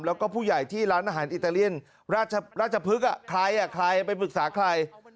แล้วก็ผู้ใหญ่ที่ร้านอาหารอิตาเลียนราชพฤกษ์ใครใครไปปรึกษาใคร